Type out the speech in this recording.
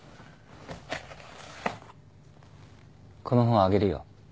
この本あげるよ。